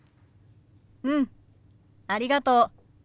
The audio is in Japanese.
うんありがとう。